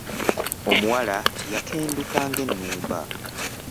Omuwala yakenduka ng'ennumba.